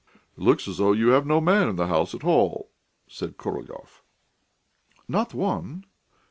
"It looks as though you have no man in the house at all," said Korolyov. "Not one.